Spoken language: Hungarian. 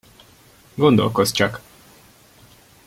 Gondolkozz csak!